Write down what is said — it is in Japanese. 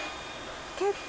結構。